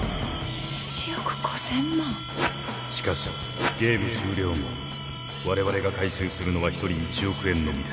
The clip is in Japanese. しかしゲーム終了後われわれが回収するのは一人１億円のみです。